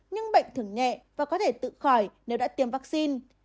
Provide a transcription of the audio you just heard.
nhưng bệnh thường nhẹ và có thể tự khỏi nếu đã tiêm vaccine